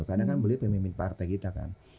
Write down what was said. karena kan beliau pemimpin partai kita kan